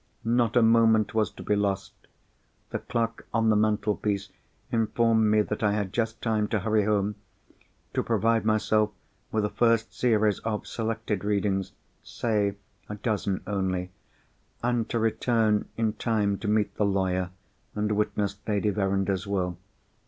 Not a moment was to be lost. The clock on the mantel piece informed me that I had just time to hurry home; to provide myself with a first series of selected readings (say a dozen only); and to return in time to meet the lawyer, and witness Lady Verinder's Will.